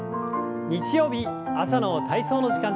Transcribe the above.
日曜日朝の体操の時間です。